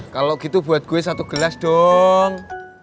kalau gitu buat gue satu gelas dong